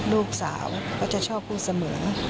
ลูกสาวก็จะชอบพูดเสมือน